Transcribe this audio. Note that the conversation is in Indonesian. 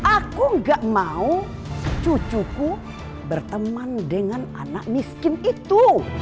aku gak mau cucuku berteman dengan anak miskin itu